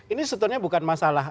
ini sebenarnya bukan masalah